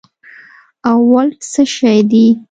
او ولټ څه شي دي